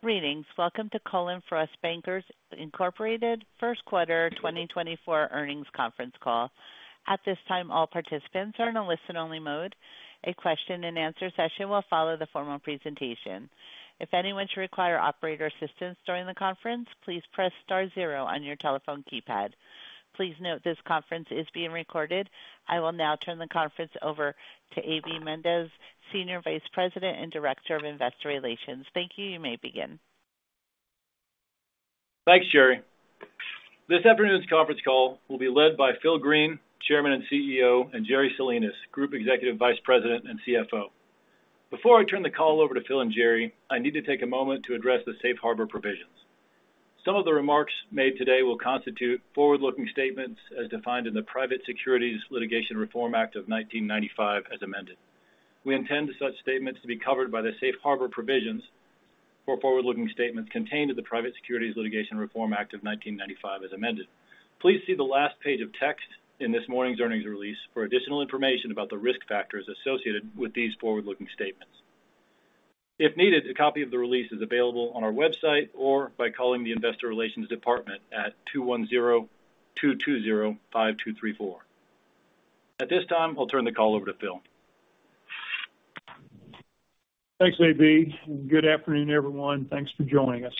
Greetings. Welcome to Cullen/Frost Bankers, Inc first quarter 2024 earnings conference call. At this time, all participants are in a listen-only mode. A question and answer session will follow the formal presentation. If anyone should require operator assistance during the conference, please press star zero on your telephone keypad. Please note, this conference is being recorded. I will now turn the conference over to A.B. Mendez, Senior Vice President and Director of Investor Relations. Thank you. You may begin. Thanks, Sherry. This afternoon's conference call will be led by Phil Green, Chairman and CEO, and Jerry Salinas, Group Executive Vice President and CFO. Before I turn the call over to Phil and Jerry, I need to take a moment to address the Safe Harbor provisions. Some of the remarks made today will constitute forward-looking statements as defined in the Private Securities Litigation Reform Act of 1995, as amended. We intend such statements to be covered by the Safe Harbor provisions for forward-looking statements contained in the Private Securities Litigation Reform Act of 1995, as amended. Please see the last page of text in this morning's earnings release for additional information about the risk factors associated with these forward-looking statements. If needed, a copy of the release is available on our website or by calling the investor relations department at two one zero two two zero five two three four. At this time, I'll turn the call over to Phil. Thanks, A.B. Good afternoon, everyone. Thanks for joining us.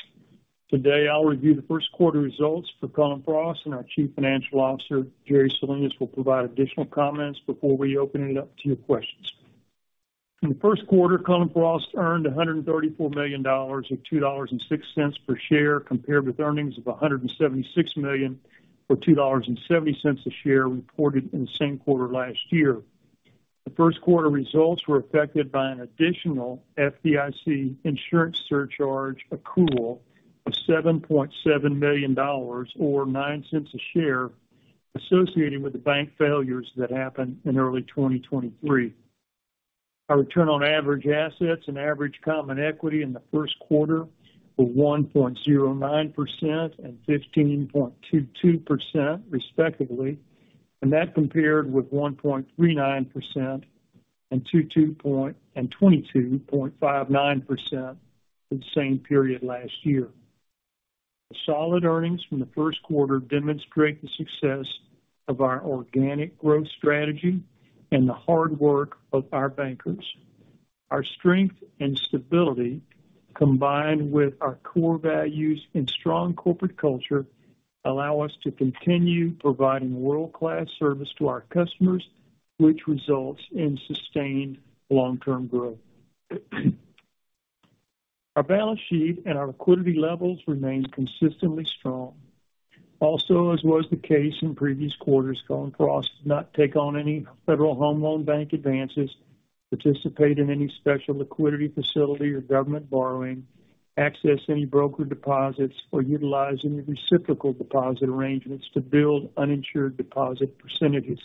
Today, I'll review the first quarter results for Cullen/Frost, and our Chief Financial Officer, Jerry Salinas, will provide additional comments before we open it up to your questions. In the first quarter, Cullen/Frost earned $134 million or $2.06 per share, compared with earnings of $176 million, or $2.70 a share, reported in the same quarter last year. The first quarter results were affected by an additional FDIC insurance surcharge accrual of $7.7 million, or $0.09 a share, associated with the bank failures that happened in early 2023. Our return on average assets and average common equity in the first quarter were 1.09% and 15.22%, respectively, and that compared with 1.39% and 22.59% for the same period last year. The solid earnings from the first quarter demonstrate the success of our organic growth strategy and the hard work of our bankers. Our strength and stability, combined with our core values and strong corporate culture, allow us to continue providing world-class service to our customers, which results in sustained long-term growth. Our balance sheet and our liquidity levels remain consistently strong. Also, as was the case in previous quarters, Cullen/Frost did not take on any Federal Home Loan Bank advances, participate in any special liquidity facility or government borrowing, access any brokered deposits, or utilize any reciprocal deposit arrangements to build uninsured deposit percentages.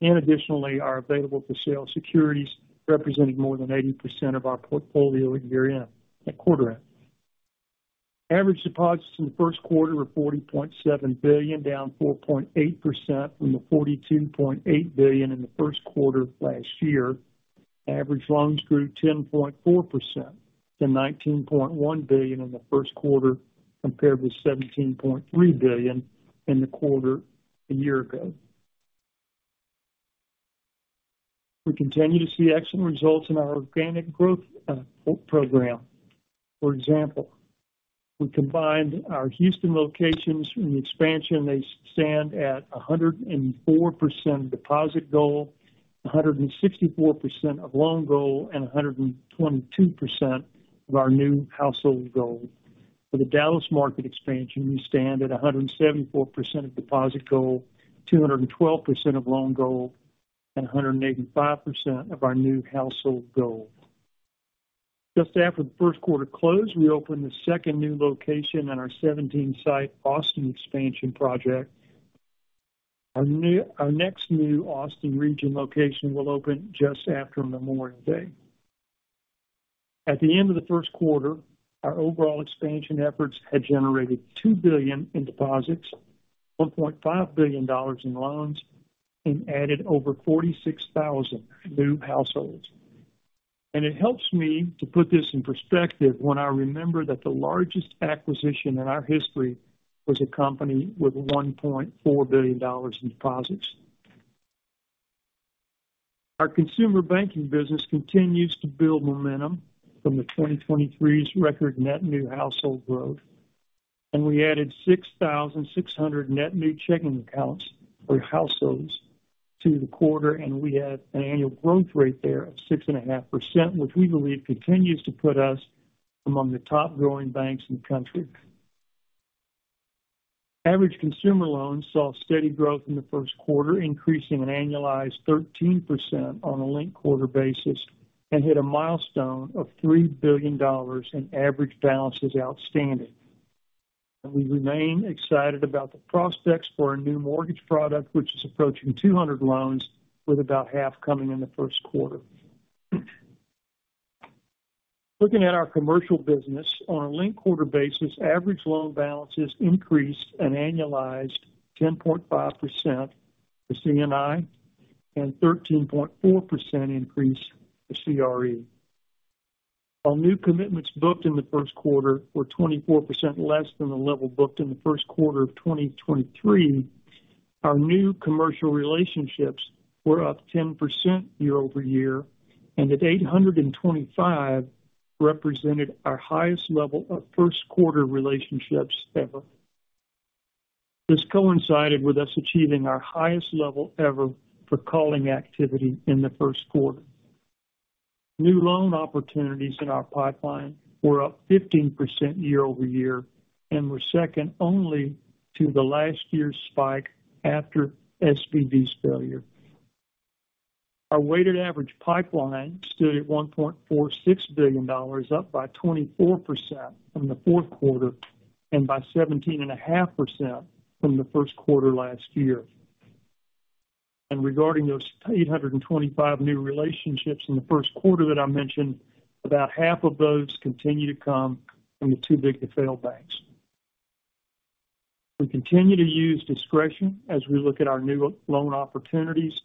And additionally, our available-for-sale securities represented more than 80% of our portfolio at year-end, at quarter-end. Average deposits in the first quarter were $40.7 billion, down 4.8% from the $42.8 billion in the first quarter of last year. Average loans grew 10.4% to $19.1 billion in the first quarter, compared with $17.3 billion in the quarter a year ago. We continue to see excellent results in our organic growth program. For example, we combined our Houston locations in the expansion, they stand at 104% deposit goal, 164% of loan goal, and 122% of our new household goal. For the Dallas market expansion, we stand at 174% of deposit goal, 212% of loan goal, and 185% of our new household goal. Just after the first quarter close, we opened the second new location on our 17-site Austin expansion project. Our next new Austin region location will open just after Memorial Day. At the end of the first quarter, our overall expansion efforts had generated $2 billion in deposits, $1.5 billion in loans, and added over 46,000 new households. It helps me to put this in perspective when I remember that the largest acquisition in our history was a company with $1.4 billion in deposits. Our consumer banking business continues to build momentum from the 2023's record net new household growth, and we added 6,600 net new checking accounts for households in the quarter, and we had an annual growth rate there of 6.5%, which we believe continues to put us among the top growing banks in the country. Average consumer loans saw steady growth in the first quarter, increasing an annualized 13% on a linked quarter basis and hit a milestone of $3 billion in average balances outstanding. We remain excited about the prospects for our new mortgage product, which is approaching 200 loans, with about half coming in the first quarter. Looking at our commercial business, on a linked quarter basis, average loan balances increased an annualized 10.5% for C&I and 13.4% increase to CRE. While new commitments booked in the first quarter were 24% less than the level booked in the first quarter of 2023, our new commercial relationships were up 10% year-over-year, and at 825, represented our highest level of first quarter relationships ever. This coincided with us achieving our highest level ever for calling activity in the first quarter. New loan opportunities in our pipeline were up 15% year-over-year and were second only to the last year's spike after SVB's failure. Our weighted average pipeline stood at $1.46 billion, up by 24% from the fourth quarter and by 17.5% from the first quarter last year. Regarding those 825 new relationships in the first quarter that I mentioned, about half of those continue to come from the too big to fail banks. We continue to use discretion as we look at our new loan opportunities,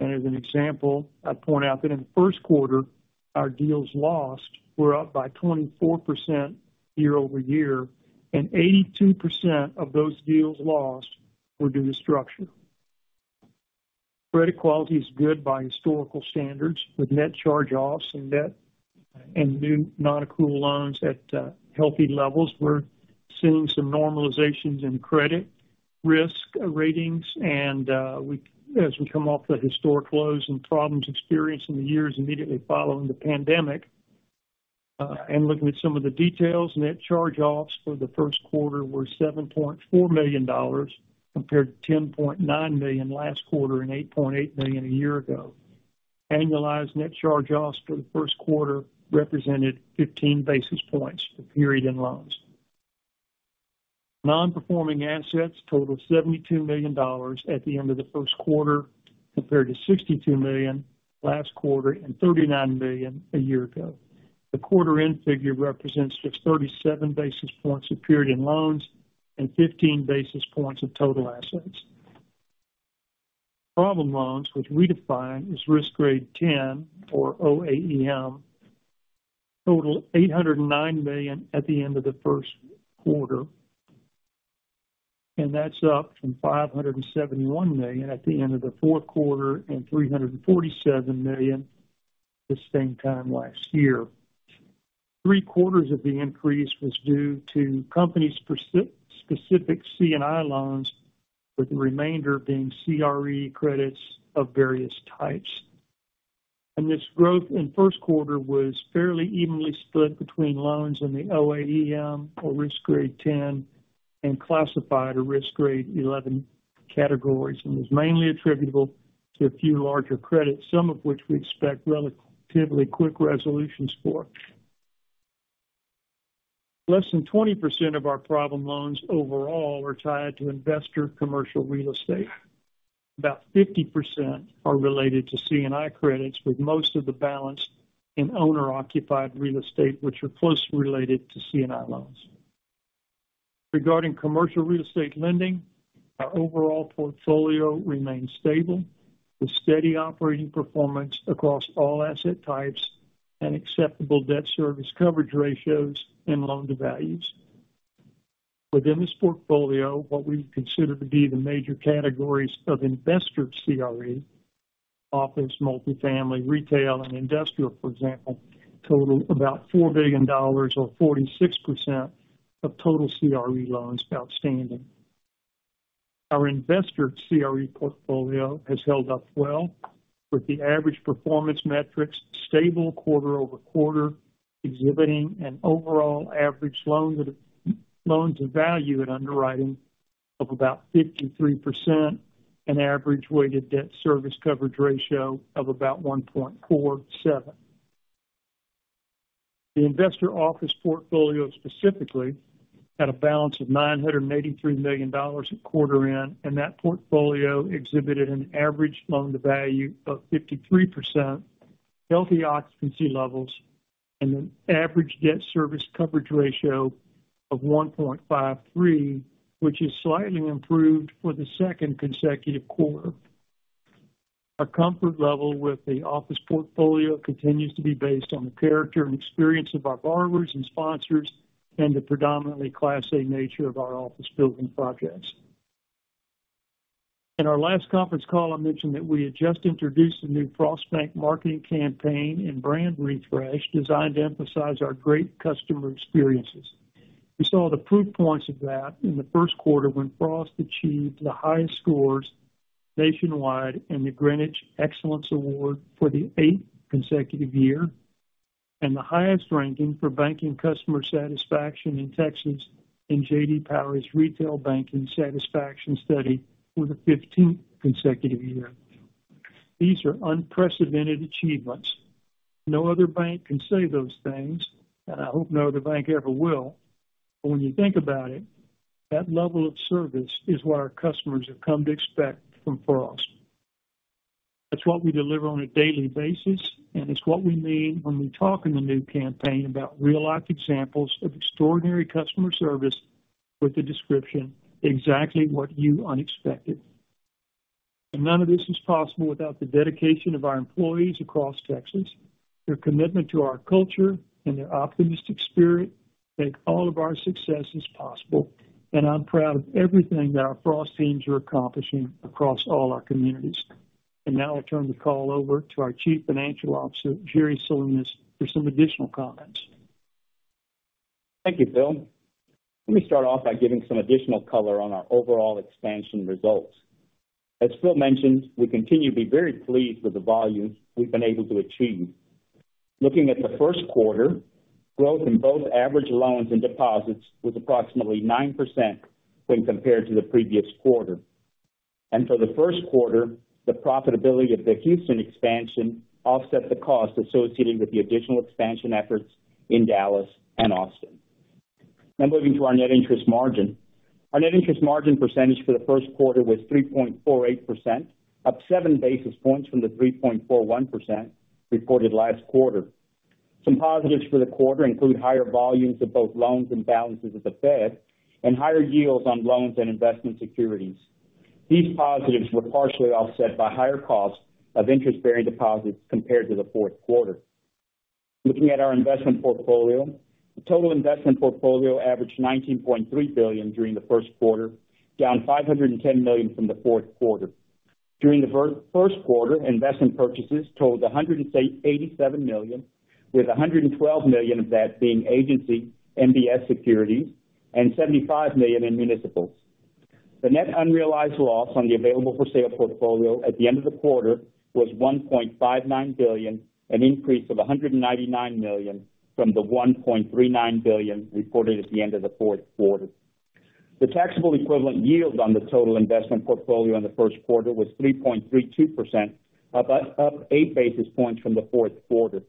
and as an example, I'd point out that in the first quarter, our deals lost were up by 24% year-over-year, and 82% of those deals lost were due to structure. Credit quality is good by historical standards, with net charge-offs and debt and new non-accrual loans at healthy levels. We're seeing some normalizations in credit risk ratings and, as we come off the historic lows and problems experienced in the years immediately following the pandemic. And looking at some of the details, net charge-offs for the first quarter were $7.4 million, compared to $10.9 million last quarter and $8.8 million a year ago. Annualized net charge-offs for the first quarter represented 15 basis points of period-end loans. Non-performing assets totaled $72 million at the end of the first quarter, compared to $62 million last quarter and $39 million a year ago. The quarter-end figure represents just 37 basis points of period-end loans and 15 basis points of total assets. Problem loans, which we define as Risk Grade 10 or OAEM, total $809 million at the end of the first quarter, and that's up from $571 million at the end of the fourth quarter and $347 million the same time last year. Three-quarters of the increase was due to company-specific C&I loans, with the remainder being CRE credits of various types. And this growth in first quarter was fairly evenly split between loans in the OAEM or Risk Grade 10 and classified or Risk Grade 11 categories, and was mainly attributable to a few larger credits, some of which we expect relatively quick resolutions for. Less than 20% of our problem loans overall are tied to investor commercial real estate. About 50% are related to C&I credits, with most of the balance in owner-occupied real estate, which are closely related to C&I loans. Regarding commercial real estate lending, our overall portfolio remains stable, with steady operating performance across all asset types and acceptable debt service coverage ratios and loan-to-values. Within this portfolio, what we consider to be the major categories of investor CRE, office, multifamily, retail, and industrial, for example, total about $4 billion or 46% of total CRE loans outstanding. Our investor CRE portfolio has held up well, with the average performance metrics stable quarter-over-quarter, exhibiting an overall average loan-to-value at underwriting of about 53% and average weighted debt service coverage ratio of about 1.47x. The investor office portfolio specifically had a balance of $983 million at quarter end, and that portfolio exhibited an average loan to value of 53%, healthy occupancy levels, and an average debt service coverage ratio of 1.53x, which is slightly improved for the second consecutive quarter. Our comfort level with the office portfolio continues to be based on the character and experience of our borrowers and sponsors, and the predominantly Class A nature of our office building projects. In our last conference call, I mentioned that we had just introduced a new Frost Bank marketing campaign and brand refresh designed to emphasize our great customer experiences. We saw the proof points of that in the first quarter, when Frost achieved the highest scores nationwide in the Greenwich Excellence Award for the eighth consecutive year, and the highest ranking for banking customer satisfaction in Texas in J.D. Power's Retail Banking Satisfaction Study for the fifteenth consecutive year. These are unprecedented achievements. No other bank can say those things, and I hope no other bank ever will. But when you think about it, that level of service is what our customers have come to expect from Frost. That's what we deliver on a daily basis, and it's what we mean when we talk in the new campaign about real-life examples of extraordinary customer service with the description, exactly what you'd expect. None of this is possible without the dedication of our employees across Texas. Their commitment to our culture and their optimistic spirit make all of our successes possible, and I'm proud of everything that our Frost teams are accomplishing across all our communities. And now I'll turn the call over to our Chief Financial Officer, Jerry Salinas, for some additional comments. Thank you, Phil. Let me start off by giving some additional color on our overall expansion results. As Phil mentioned, we continue to be very pleased with the volumes we've been able to achieve. Looking at the first quarter, growth in both average loans and deposits was approximately 9% when compared to the previous quarter. And for the first quarter, the profitability of the Houston expansion offset the cost associated with the additional expansion efforts in Dallas and Austin. Now moving to our net interest margin. Our net interest margin percentage for the first quarter was 3.48%, up 7 basis points from the 3.41% reported last quarter. Some positives for the quarter include higher volumes of both loans and balances at the Fed and higher yields on loans and investment securities. These positives were partially offset by higher costs of interest-bearing deposits compared to the fourth quarter. Looking at our investment portfolio, the total investment portfolio averaged $19.3 billion during the first quarter, down $510 million from the fourth quarter. During the first quarter, investment purchases totaled $187 million, with $112 million of that being agency MBS securities and $75 million in municipals. The net unrealized loss on the available for sale portfolio at the end of the quarter was $1.59 billion, an increase of $199 million from the $1.39 billion reported at the end of the fourth quarter. The taxable equivalent yield on the total investment portfolio in the first quarter was 3.32%, up 8 basis points from the fourth quarter.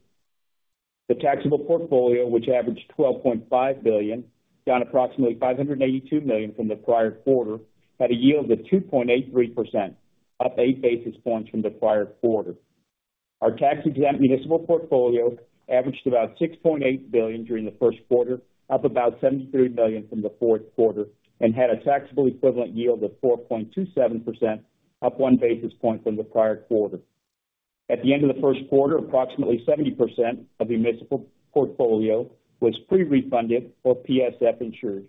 The taxable portfolio, which averaged $12.5 billion, down approximately $582 million from the prior quarter, had a yield of 2.83%, up 8 basis points from the prior quarter. Our tax-exempt municipal portfolio averaged about $6.8 billion during the first quarter, up about $73 million from the fourth quarter, and had a taxable equivalent yield of 4.27%, up 1 basis point from the prior quarter. At the end of the first quarter, approximately 70% of the municipal portfolio was pre-refunded or PSF insured.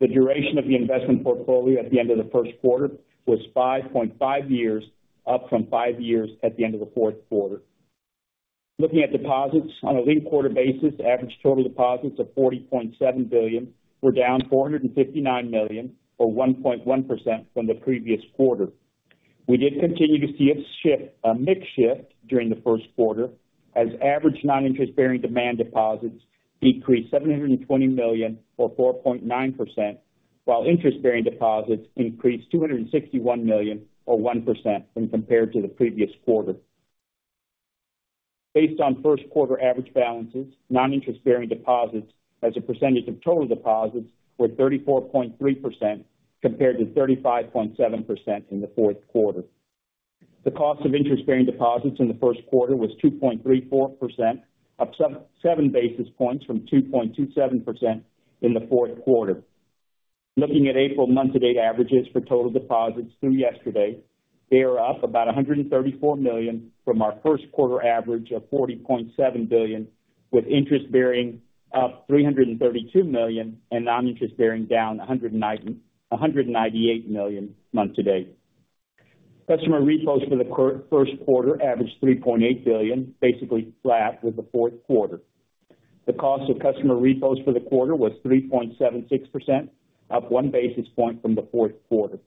The duration of the investment portfolio at the end of the first quarter was 5.5 years, up from five years at the end of the fourth quarter. Looking at deposits on a linked quarter basis, average total deposits of $40.7 billion were down $459 million, or 1.1% from the previous quarter. We did continue to see a shift, a mix shift during the first quarter, as average non-interest-bearing demand deposits decreased $720 million, or 4.9%, while interest-bearing deposits increased $261 million, or 1% when compared to the previous quarter. Based on first quarter average balances, non-interest-bearing deposits as a percentage of total deposits were 34.3%, compared to 35.7% in the fourth quarter. The cost of interest-bearing deposits in the first quarter was 2.34%, up 7 basis points from 2.27% in the fourth quarter. Looking at April month-to-date averages for total deposits through yesterday, they are up about $134 million from our first quarter average of $40.7 billion, with interest bearing up $332 million and non-interest bearing down $198 million month to date. Customer repos for the first quarter averaged $3.8 billion, basically flat with the fourth quarter. The cost of customer repos for the quarter was 3.76%, up 1 basis point from the fourth quarter.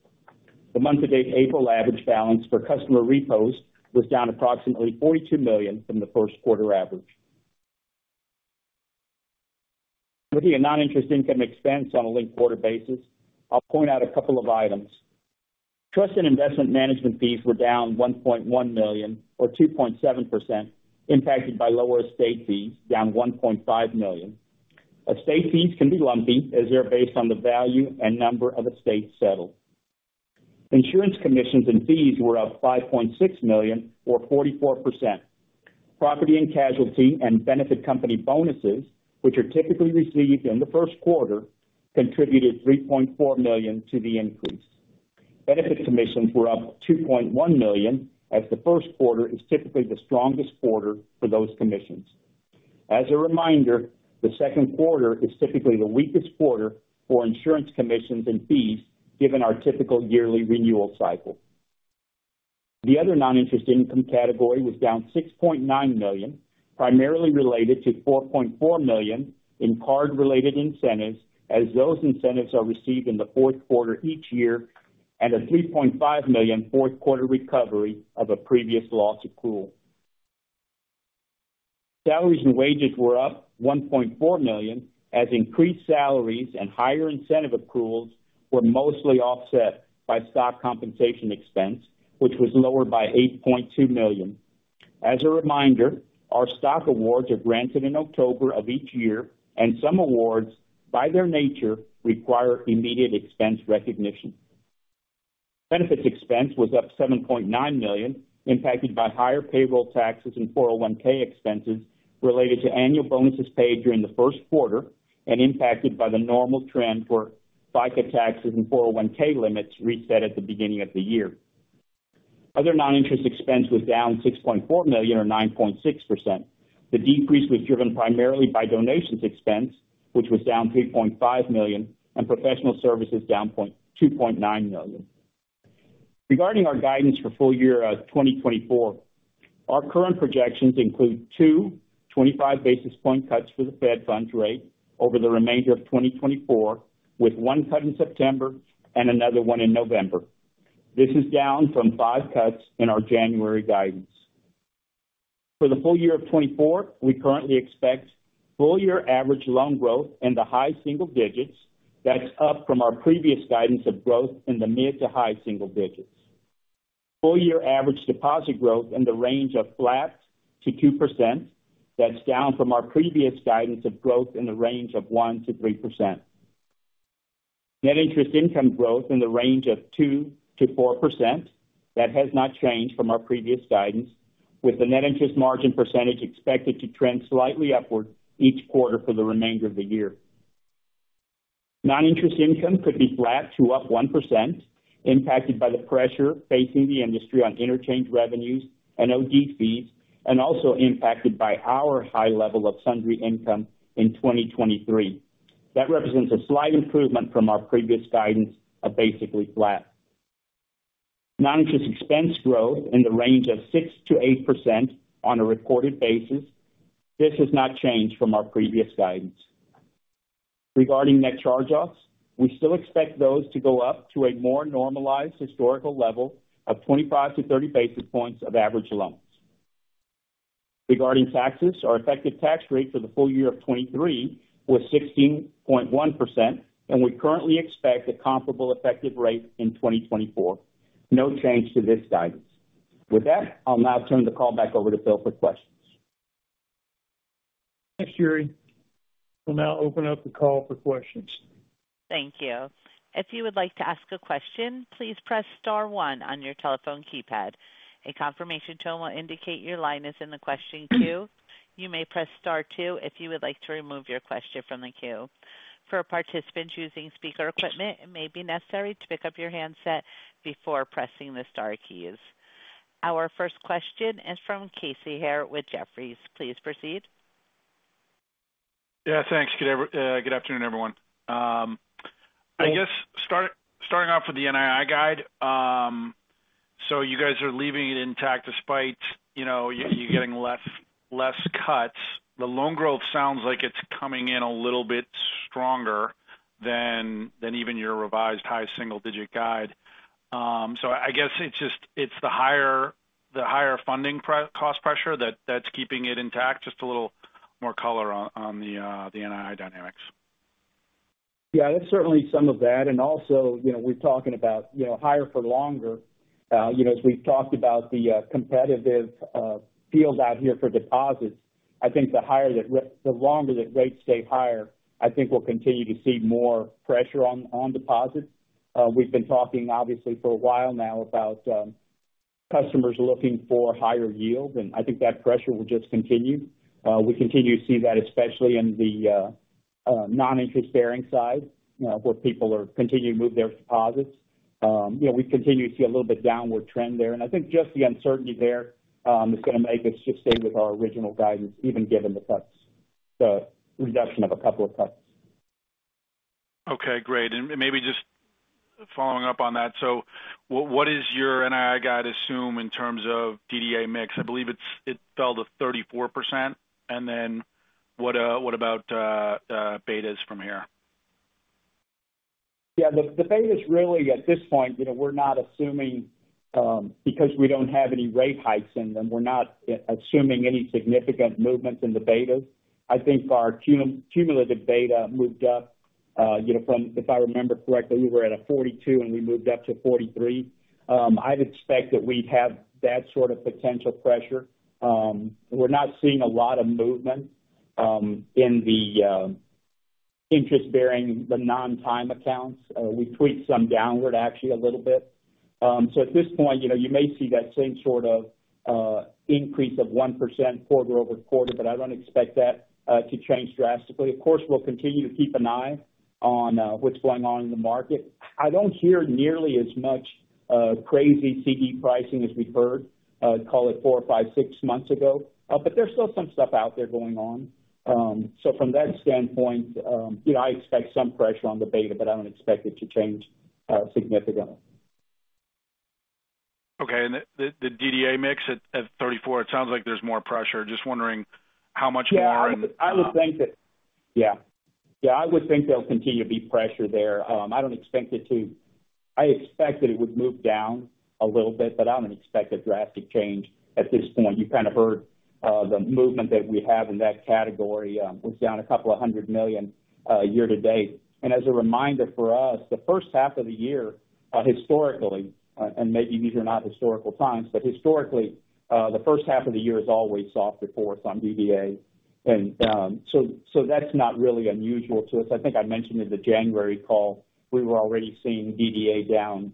The month-to-date April average balance for customer repos was down approximately $42 million from the first quarter average. Looking at non-interest income expense on a linked quarter basis, I'll point out a couple of items. Trust and investment management fees were down $1.1 million, or 2.7%, impacted by lower estate fees, down $1.5 million. Estate fees can be lumpy, as they're based on the value and number of estates settled. Insurance commissions and fees were up $5.6 million, or 44%. Property and casualty and benefit company bonuses, which are typically received in the first quarter, contributed $3.4 million to the increase. Benefit commissions were up $2.1 million, as the first quarter is typically the strongest quarter for those commissions. As a reminder, the second quarter is typically the weakest quarter for insurance commissions and fees, given our typical yearly renewal cycle. The other non-interest income category was down $6.9 million, primarily related to $4.4 million in card-related incentives, as those incentives are received in the fourth quarter each year, and a $3.5 million fourth quarter recovery of a previous loss accrual. Salaries and wages were up $1.4 million, as increased salaries and higher incentive accruals were mostly offset by stock compensation expense, which was lowered by $8.2 million. As a reminder, our stock awards are granted in October of each year, and some awards, by their nature, require immediate expense recognition. Benefits expense was up $7.9 million, impacted by higher payroll taxes and 401(k) expenses related to annual bonuses paid during the first quarter and impacted by the normal trend for FICA taxes and 401(k) limits reset at the beginning of the year. Other non-interest expense was down $6.4 million, or 9.6%. The decrease was driven primarily by donations expense, which was down $3.5 million, and professional services down $2.9 million. Regarding our guidance for full year, 2024, our current projections include 225 basis point cuts for the Fed funds rate over the remainder of 2024, with one cut in September and another one in November. This is down from five cuts in our January guidance. For the full year of 2024, we currently expect full year average loan growth in the high single digits. That's up from our previous guidance of growth in the mid to high single digits. Full year average deposit growth in the range of flat to 2%. That's down from our previous guidance of growth in the range of 1%-3%. Net interest income growth in the range of 2%-4%. That has not changed from our previous guidance, with the net interest margin percentage expected to trend slightly upward each quarter for the remainder of the year. Non-interest income could be flat to up 1%, impacted by the pressure facing the industry on interchange revenues and OD fees, and also impacted by our high level of sundry income in 2023. That represents a slight improvement from our previous guidance of basically flat. Non-interest expense growth in the range of 6%-8% on a reported basis. This has not changed from our previous guidance. Regarding net charge-offs, we still expect those to go up to a more normalized historical level of 25-30 basis points of average loans. Regarding taxes, our effective tax rate for the full year of 2023 was 16.1%, and we currently expect a comparable effective rate in 2024. No change to this guidance. With that, I'll now turn the call back over to Phil for questions. Thanks, Jerry. We'll now open up the call for questions. Thank you. If you would like to ask a question, please press star one on your telephone keypad. A confirmation tone will indicate your line is in the question queue. You may press star two if you would like to remove your question from the queue. For participants using speaker equipment, it may be necessary to pick up your handset before pressing the star keys. Our first question is from Casey Haire with Jefferies. Please proceed. Yeah, thanks. Good afternoon, everyone. I guess starting off with the NII guide. So you guys are leaving it intact despite, you know, you getting less cuts. The loan growth sounds like it's coming in a little bit stronger than even your revised high single digit guide. So I guess it's just the higher funding pre-cost pressure that's keeping it intact? Just a little more color on the NII dynamics. Yeah, that's certainly some of that. And also, you know, we're talking about, you know, higher for longer. You know, as we've talked about the competitive field out here for deposits, I think the higher the, the longer that rates stay higher, I think we'll continue to see more pressure on deposits. We've been talking obviously for a while now about customers looking for higher yield, and I think that pressure will just continue. We continue to see that, especially in the non-interest-bearing side, where people are continuing to move their deposits. You know, we continue to see a little bit downward trend there, and I think just the uncertainty there is gonna make us just stay with our original guidance, even given the cuts, the reduction of a couple of cuts. Okay, great. And maybe just following up on that: so what is your NII guide assume in terms of DDA mix? I believe it's, it fell to 34%. And then what about betas from here? Yeah, the beta's really, at this point, you know, we're not assuming. Because we don't have any rate hikes in them, we're not assuming any significant movements in the betas. I think our cumulative beta moved up, you know, from, if I remember correctly, we were at a 42%, and we moved up to 43%. I'd expect that we'd have that sort of potential pressure. We're not seeing a lot of movement in the interest-bearing, the non-time accounts. We tweaked some downward actually a little bit. So at this point, you know, you may see that same sort of increase of 1% quarter-over-quarter, but I don't expect that to change drastically. Of course, we'll continue to keep an eye on what's going on in the market. I don't hear nearly as much crazy CD pricing as we've heard, call it four, five, six months ago. But there's still some stuff out there going on. So from that standpoint, you know, I expect some pressure on the beta, but I don't expect it to change significantly. Okay. And the DDA mix at 34%, it sounds like there's more pressure. Just wondering how much more and. Yeah, I would think that. Yeah, I would think there'll continue to be pressure there. I don't expect it to, I expect that it would move down a little bit, but I don't expect a drastic change at this point. You kind of heard the movement that we have in that category was down a couple hundred million year to date. And as a reminder, for us, the first half of the year historically, and maybe these are not historical times, but historically, the first half of the year is always softer for us on DDA. And so that's not really unusual to us. I think I mentioned in the January call, we were already seeing DDA down,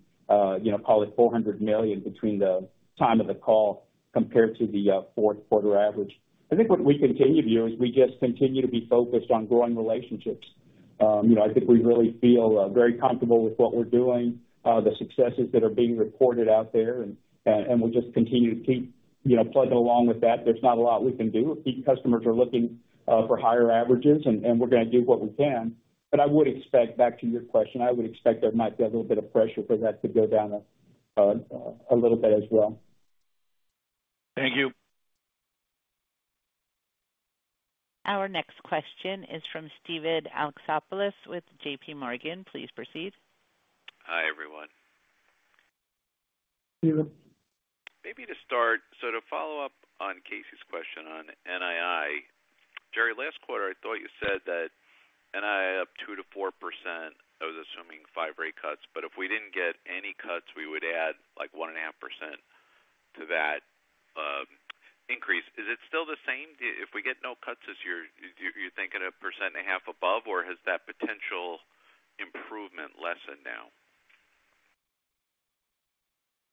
you know, call it $400 million between the time of the call compared to the fourth quarter average. I think what we continue to do is we just continue to be focused on growing relationships. You know, I think we really feel very comfortable with what we're doing, the successes that are being reported out there, and, and we'll just continue to keep, you know, plugging along with that. There's not a lot we can do if customers are looking for higher averages, and, and we're going to do what we can. But I would expect, back to your question, I would expect there might be a little bit of pressure for that to go down a little bit as well. Thank you. Our next question is from Steven Alexopoulos with JPMorgan. Please proceed. Hi, everyone. Steven. Maybe to start, so to follow up on Casey's question on NII. Jerry, last quarter, I thought you said that NII up 2%-4%. I was assuming five rate cuts, but if we didn't get any cuts, we would add, like, 1.5% to that increase. Is it still the same? If we get no cuts this year, do you think 1.5% above, or has that potential improvement lessened now?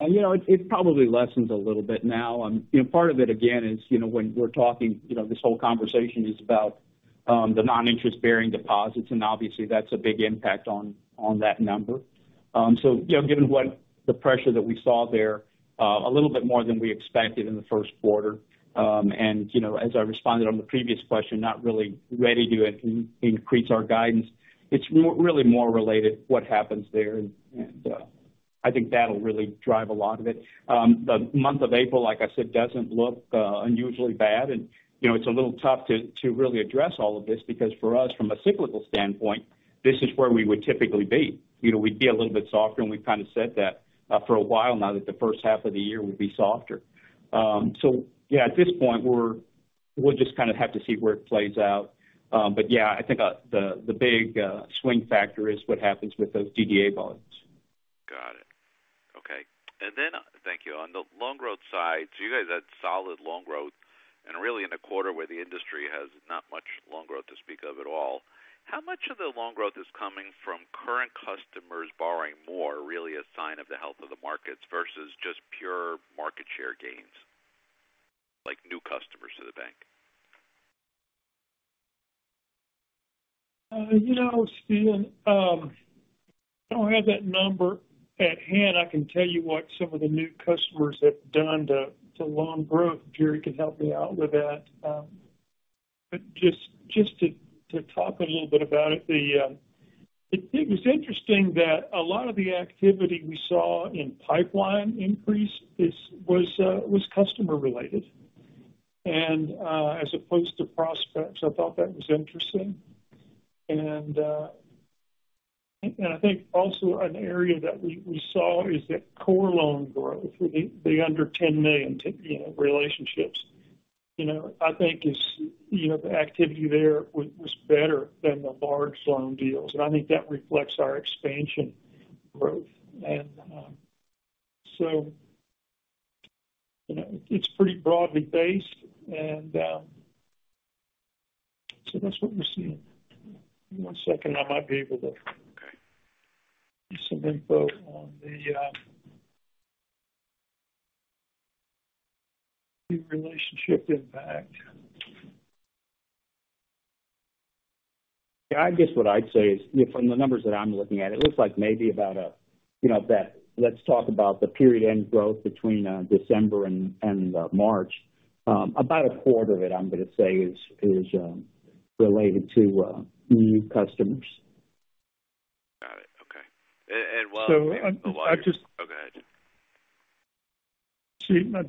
You know, it probably lessens a little bit now. You know, part of it, again, is, you know, when we're talking, you know, this whole conversation is about the non-interest-bearing deposits, and obviously, that's a big impact on that number. So, you know, given what the pressure that we saw there, a little bit more than we expected in the first quarter, and, you know, as I responded on the previous question, not really ready to increase our guidance, it's more, really more related to what happens there, and, I think that'll really drive a lot of it. The month of April, like I said, doesn't look unusually bad. And, you know, it's a little tough to really address all of this, because for us, from a cyclical standpoint, this is where we would typically be. You know, we'd be a little bit softer, and we've kind of said that for a while now, that the first half of the year would be softer. So yeah, at this point, we'll just kind of have to see where it plays out. But yeah, I think the big swing factor is what happens with those DDA balances. Got it. Okay. And then, thank you. On the loan growth side, so you guys had solid loan growth and really in a quarter where the industry has not much loan growth to speak of at all. How much of the loan growth is coming from current customers borrowing more, really a sign of the health of the markets versus just pure market share gains, like new customers to the bank? You know, Steven, I don't have that number at hand. I can tell you what some of the new customers have done to loan growth. Jerry can help me out with that. But just to talk a little bit about it, it was interesting that a lot of the activity we saw in pipeline increase was customer related and as opposed to prospects. I thought that was interesting. And I think also an area that we saw is that core loan growth for the under 10 million relationships. You know, I think the activity there was better than the large loan deals, and I think that reflects our expansion growth. So you know, it's pretty broadly based and so that's what we're seeing. One second, I might be able to. Okay, some info on the relationship impact. Yeah, I guess what I'd say is, from the numbers that I'm looking at, it looks like maybe about a, you know, that, let's talk about the period end growth between December and March. About a quarter of it, I'm going to say, is related to new customers. Got it. Okay. Well. So I just. Go ahead. See, I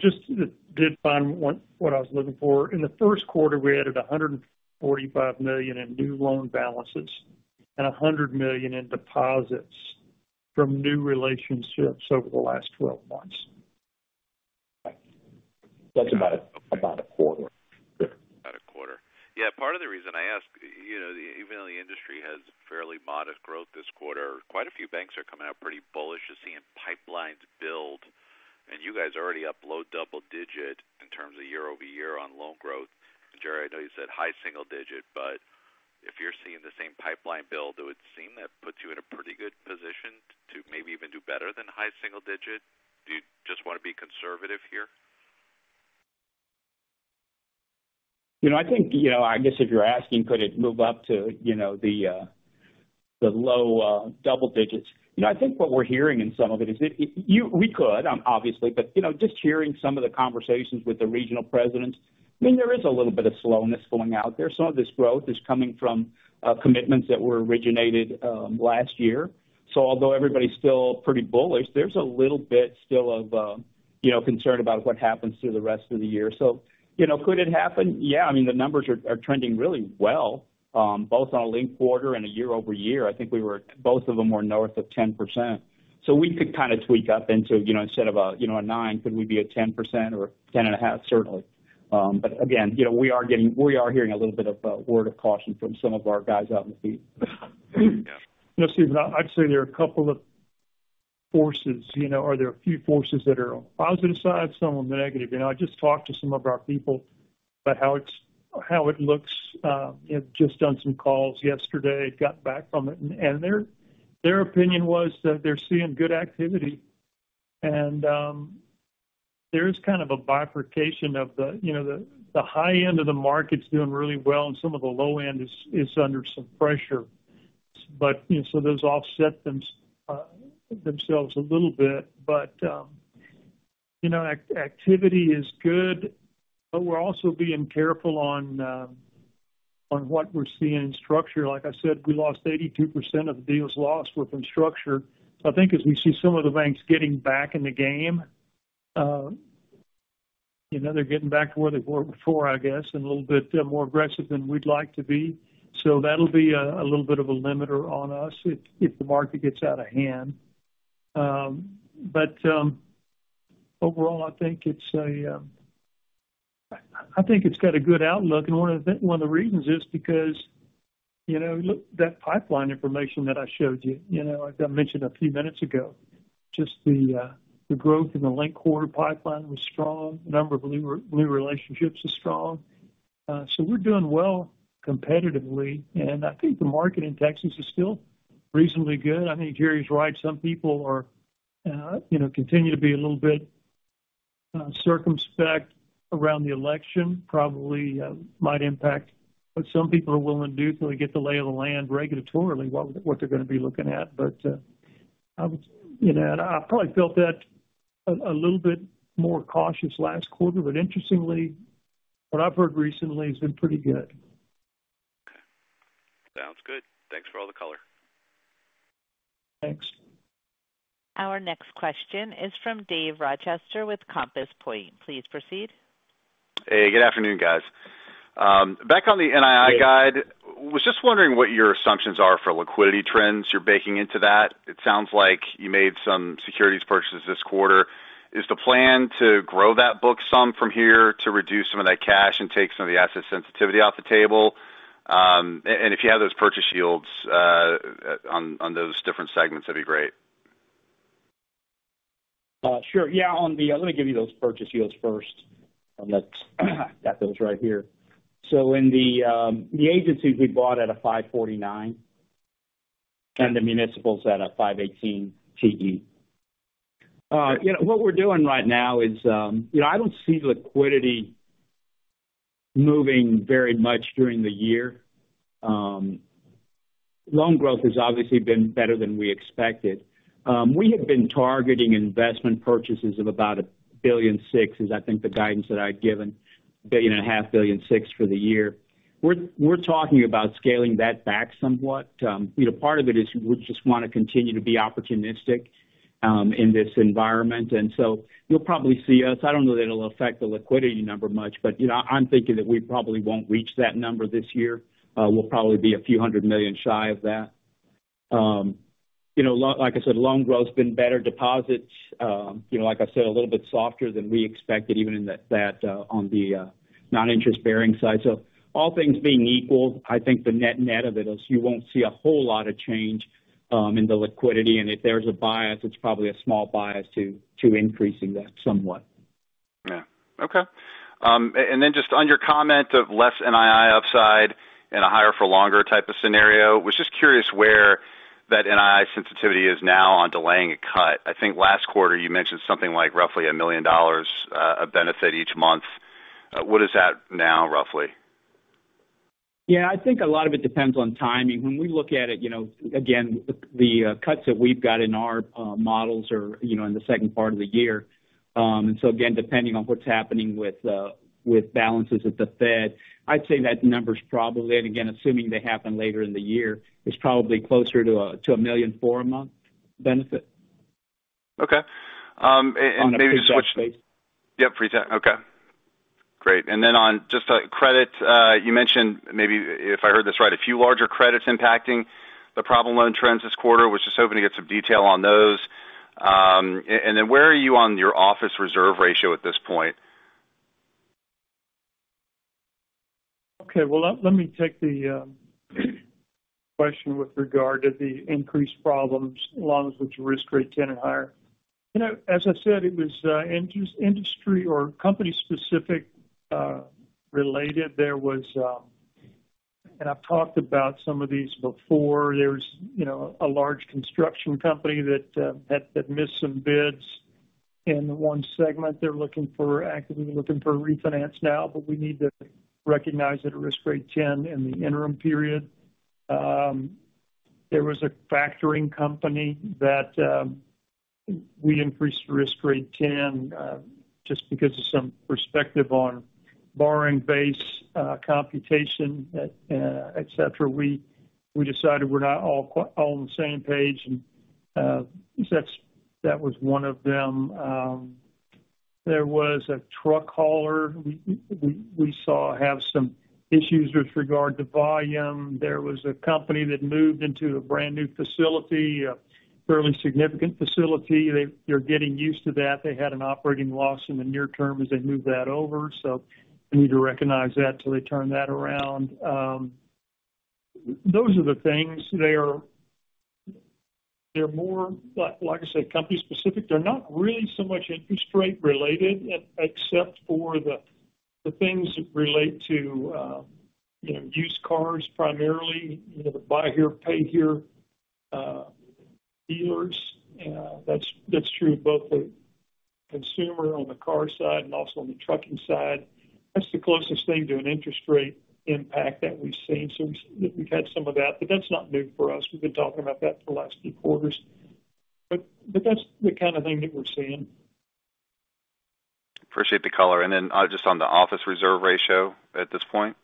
just did find what I was looking for. In the first quarter, we added $145 million in new loan balances and $100 million in deposits from new relationships over the last 12 months. That's about a quarter. About a quarter. Yeah. Part of the reason I ask, you know, even though the industry has fairly modest growth this quarter, quite a few banks are coming out pretty bullish to seeing pipelines build, and you guys are already up low double digit in terms of year-over-year on loan growth. Jerry, I know you said high single digit, but if you're seeing the same pipeline build, it would seem that puts you in a pretty good position to maybe even do better than high single digit. Do you just want to be conservative here? You know, I think, you know, I guess if you're asking, could it move up to, you know, the low double digits? You know, I think what we're hearing in some of it is if you we could obviously, but, you know, just hearing some of the conversations with the regional presidents, I mean, there is a little bit of slowness going out there. Some of this growth is coming from commitments that were originated last year. So although everybody's still pretty bullish, there's a little bit still of, you know, concern about what happens through the rest of the year. So, you know, could it happen? Yeah, I mean, the numbers are trending really well both on a linked quarter and a year-over-year. I think we were both of them were north of 10%. So we could kind of tweak up into, you know, instead of a, you know, a 9%, could we be a 10% or 10.5%? Certainly. But again, you know, we are getting, we are hearing a little bit of a word of caution from some of our guys out in the field. You know, Steven, I'd say there are a couple of forces, you know, or there are a few forces that are on positive side, some on the negative. You know, I just talked to some of our people about how it looks just on some calls yesterday, got back from it, and their opinion was that they're seeing good activity, and there is kind of a bifurcation of the, you know, the, the high end of the market's doing really well, and some of the low end is under some pressure. But, you know, so those offset themselves a little bit. But, you know, activity is good, but we're also being careful on what we're seeing in structure. Like I said, we lost 82% of the deals lost were from structure. So I think as we see some of the banks getting back in the game, you know, they're getting back to where they were before, I guess, and a little bit more aggressive than we'd like to be. So that'll be a little bit of a limiter on us if the market gets out of hand. But overall, I think it's, I think it's got a good outlook. And one of the reasons is because, you know, look, that pipeline information that I showed you, you know, like I mentioned a few minutes ago, just the growth in the linked quarter pipeline was strong. The number of new relationships is strong. So we're doing well competitively, and I think the market in Texas is still reasonably good. I think Jerry's right. Some people are, you know, continue to be a little bit circumspect around the election, probably might impact what some people are willing to do till they get the lay of the land regulatorily, what they're gonna be looking at. But, you know, and I probably felt that a little bit more cautious last quarter. But interestingly, what I've heard recently has been pretty good. Okay. Sounds good. Thanks for all the color. Thanks. Our next question is from Dave Rochester with Compass Point. Please proceed. Hey, good afternoon, guys. Back on the NII guide, was just wondering what your assumptions are for liquidity trends you're baking into that? It sounds like you made some securities purchases this quarter. Is the plan to grow that book some from here to reduce some of that cash and take some of the asset sensitivity off the table? And if you have those purchase yields, on those different segments, that'd be great. Sure. Yeah, on the, let me give you those purchase yields first. Let's got those right here. So in the, the agencies, we bought at a 5.49%, and the municipals at a 5.18% TE. You know, what we're doing right now is, you know, I don't see liquidity moving very much during the year. Loan growth has obviously been better than we expected. We have been targeting investment purchases of about $1.6 billion, is I think the guidance that I've given, $1.5 billion, $1.6 billion for the year. We're, we're talking about scaling that back somewhat. You know, part of it is we just wanna continue to be opportunistic in this environment, and so you'll probably see us. I don't know that it'll affect the liquidity number much, but, you know, I'm thinking that we probably won't reach that number this year. We'll probably be a few hundred million shy of that. You know, like I said, loan growth's been better. Deposits, you know, like I said, a little bit softer than we expected, even in that on the non-interest-bearing side. So all things being equal, I think the net-net of it is you won't see a whole lot of change in the liquidity, and if there's a bias, it's probably a small bias to increasing that somewhat. Yeah. Okay. And then just on your comment of less NII upside and a higher for longer type of scenario, was just curious where that NII sensitivity is now on delaying a cut. I think last quarter you mentioned something like roughly $1 million of benefit each month. What is that now, roughly? Yeah, I think a lot of it depends on timing. When we look at it, you know, again, the cuts that we've got in our models are, you know, in the second part of the year. And so again, depending on what's happening with balances at the Fed, I'd say that number's probably, and again, assuming they happen later in the year, it's probably closer to $1.4 million a month benefit. Okay. And maybe. On a pre-tax basis. Yep, pre-tax. Okay, great. And then on just credit, you mentioned, maybe if I heard this right, a few larger credits impacting the problem loan trends this quarter. Was just hoping to get some detail on those. And then where are you on your office reserve ratio at this point? Okay, well, let me take the question with regard to the increased problem loans with Risk Grade 10 and higher. You know, as I said, it was industry or company specific related. There was, and I've talked about some of these before, there's, you know, a large construction company that missed some bids in the one segment. They're actively looking for a refinance now, but we need to recognize that a Risk Grade 10 in the interim period. There was a factoring company that we increased the Risk Grade 10 just because of some perspective on borrowing base computation, etc. We decided we're not all on the same page, and that was one of them. There was a truck hauler we saw have some issues with regard to volume. There was a company that moved into a brand-new facility, a fairly significant facility. They're getting used to that. They had an operating loss in the near term as they moved that over, so we need to recognize that till they turn that around. Those are the things, they're more, like I said, company specific. They're not really so much interest rate related, except for the things that relate to, you know, used cars, primarily, you know, the buy here, pay here dealers. That's true of both the consumer on the car side and also on the trucking side. That's the closest thing to an interest rate impact that we've seen. So we've had some of that, but that's not new for us. We've been talking about that for the last few quarters, but that's the kind of thing that we're seeing. Appreciate the color. And then, just on the office reserve ratio at this point,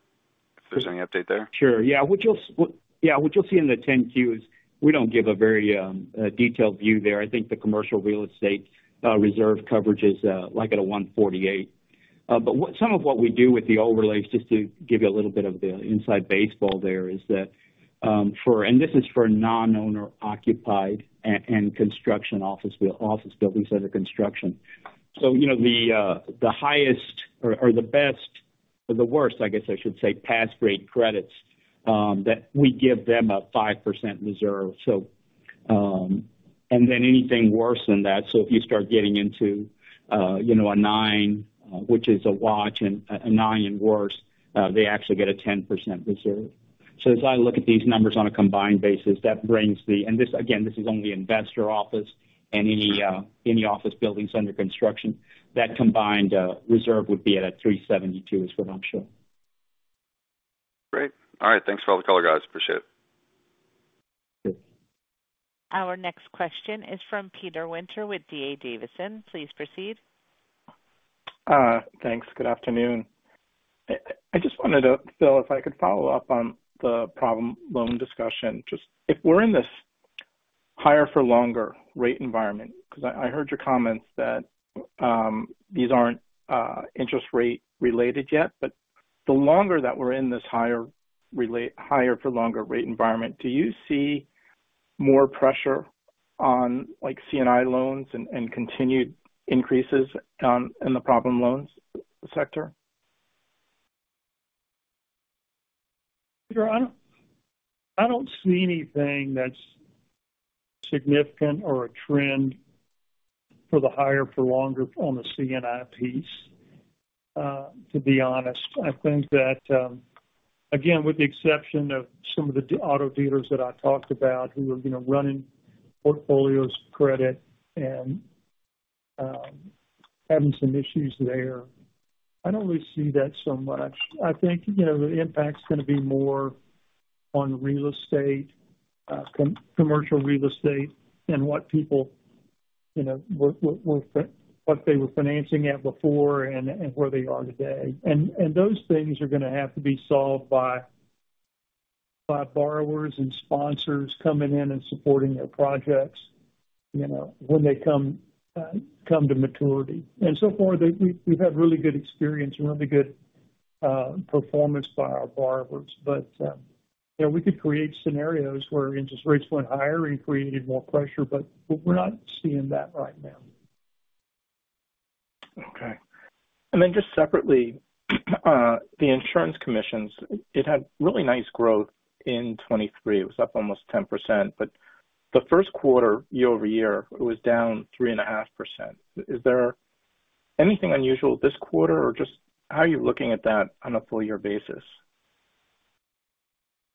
if there's any update there? Sure. Yeah. What you'll see in the 10-Q is we don't give a very detailed view there. I think the commercial real estate reserve coverage is like at a 1.48x. But some of what we do with the overlays, just to give you a little bit of the inside baseball there, is that for non-owner occupied and construction office buildings under construction. So, you know, the highest or the best or the worst, I guess I should say, pass-rated credits that we give them a 5% reserve. So, and then anything worse than that, so if you start getting into you know, a nine, which is a watch, and a nine and worse, they actually get a 10% reserve. As I look at these numbers on a combined basis, that brings the, and this, again, this is only investor office and any office buildings under construction, that combined reserve would be at a 3.72x, is what I'm showing. Great. All right, thanks for all the color, guys. Appreciate it. Good. Our next question is from Peter Winter with D.A. Davidson. Please proceed. Thanks. Good afternoon. I just wanted to, Phil, if I could follow up on the problem loan discussion. Just if we're in this higher for longer rate environment, because I heard your comments that these aren't interest rate related yet. But the longer that we're in this higher for longer rate environment, do you see more pressure on, like, C&I loans and continued increases in the problem loans sector? Sure. I don't, I don't see anything that's significant or a trend for the higher for longer on the C&I piece, to be honest. I think that, again, with the exception of some of the auto dealers that I talked about, who are, you know, running portfolios, credit, and, having some issues there, I don't really see that so much. I think, you know, the impact's gonna be more on real estate, commercial real estate than what people, you know, were, what they were financing at before and, and where they are today. And, and those things are gonna have to be solved by, by borrowers and sponsors coming in and supporting their projects, you know, when they come to maturity. And so far, they've. We've had really good experience and really good performance by our borrowers. You know, we could create scenarios where interest rates went higher and created more pressure, but we're not seeing that right now. Okay. And then just separately, the insurance commissions, it had really nice growth in 2023. It was up almost 10%, but the first quarter, year-over-year, it was down 3.5%. Is there anything unusual this quarter, or just how are you looking at that on a full year basis?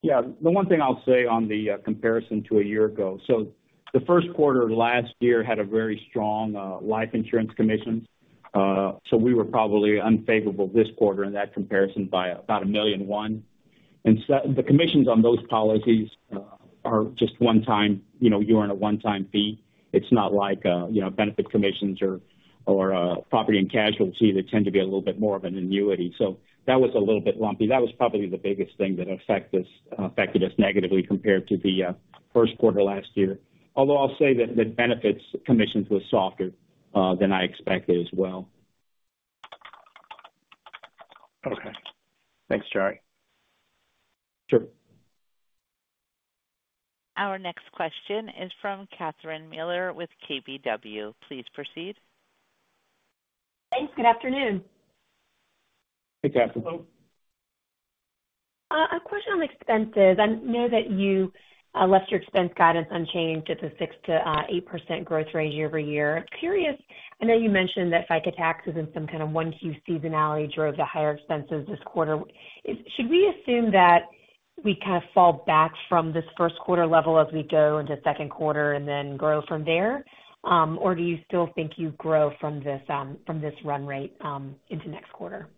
Yeah. The one thing I'll say on the comparison to a year ago, so the first quarter last year had a very strong life insurance commission. So we were probably unfavorable this quarter in that comparison by about $1.1 million. And so the commissions on those policies are just one time, you know, you earn a one-time fee. It's not like, you know, benefits commissions or property and casualty, that tend to be a little bit more of an annuity. So that was a little bit lumpy. That was probably the biggest thing that affected us negatively compared to the first quarter last year. Although, I'll say that the benefits commissions were softer than I expected as well. Okay. Thanks, Jerry. Sure. Our next question is from Catherine Mealor with KBW. Please proceed. Thanks. Good afternoon. Hey, Catherine. Hello. A question on expenses. I know that you left your expense guidance unchanged at the 6%-8% growth rate year-over-year. Curious, I know you mentioned that FICA taxes and some kind of one huge seasonality drove the higher expenses this quarter. Should we assume that we kind of fall back from this first quarter level as we go into second quarter and then grow from there? Or do you still think you grow from this from this run rate into next quarter?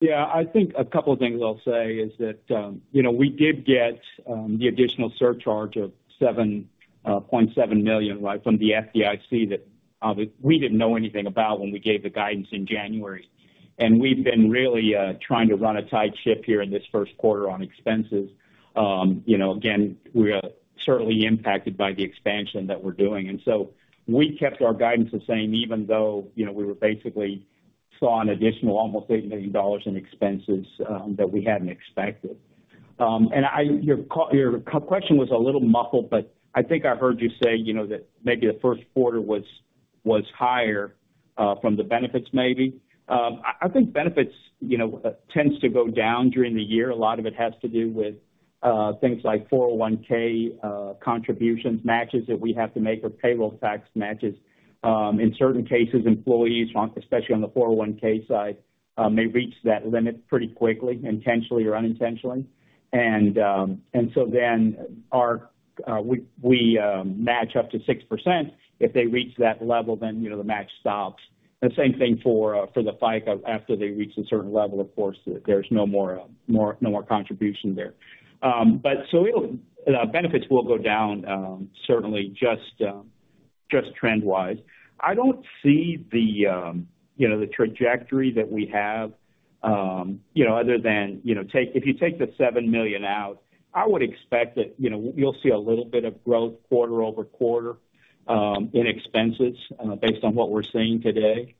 Yeah, I think a couple of things I'll say is that, you know, we did get the additional surcharge of $7.7 million right from the FDIC, that we didn't know anything about when we gave the guidance in January. And we've been really trying to run a tight ship here in this first quarter on expenses. You know, again, we are certainly impacted by the expansion that we're doing. And so we kept our guidance the same, even though, you know, we were basically saw an additional almost $8 million in expenses that we hadn't expected. And I, your question was a little muffled, but I think I heard you say, you know, that maybe the first quarter was higher from the benefits maybe? I think benefits, you know, tends to go down during the year. A lot of it has to do with things like 401(k) contributions, matches that we have to make, or payroll tax matches. In certain cases, employees, especially on the 401(k) side, may reach that limit pretty quickly, intentionally or unintentionally. And so then we match up to 6%. If they reach that level, then, you know, the match stops. The same thing for the FICA. After they reach a certain level, of course, there's no more contribution there. But so it'll, benefits will go down, certainly just trend-wise. I don't see the, you know, the trajectory that we have, you know, other than, you know, take, if you take the $7 million out, I would expect that, you know, you'll see a little bit of growth quarter-over-quarter in expenses based on what we're seeing today.